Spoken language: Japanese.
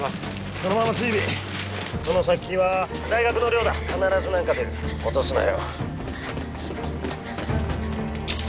そのまま追尾☎その先は大学の寮だ☎必ず何か出る落とすなよ